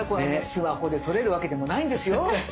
スマホで撮れるわけでもないんですよ。